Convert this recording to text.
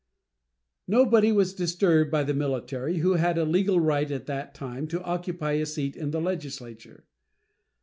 Nobody was disturbed by the military who had a legal right at that time to occupy a seat in the legislature.